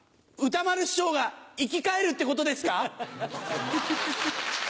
歌丸師匠が生き返るってことですか？